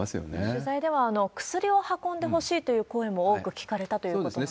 取材では薬を運んでほしいという声も多く聞かれたということそうですね。